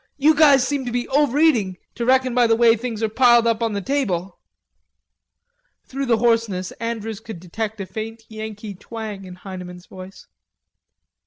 "You guys seem to be overeating, to reckon by the way things are piled up on the table." Through the hoarseness Andrews could detect a faint Yankee tang in Heineman's voice.